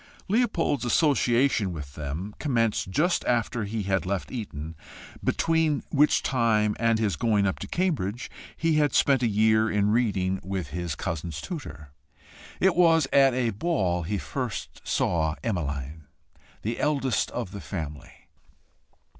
Leopold's association with them commenced just after he had left Eton, between which time and his going up to Cambridge he spent a year in reading with his cousins' tutor. It was at a ball he first saw Emmeline, the eldest of the family.